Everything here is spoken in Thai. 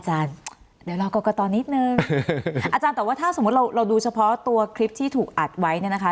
อาจารย์แต่ว่าถ้าสมมติเราดูเฉพาะตัวคลิปที่ถูกอัดไว้เนี่ยนะคะ